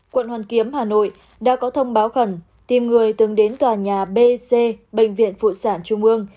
quận hoàn kiếm hà nội đã có thông báo khẩn tìm người từng đến tòa nhà b c bệnh viện phụ sản trung ương